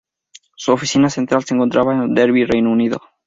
Su oficina central se encontraba en Derby, Reino Unido.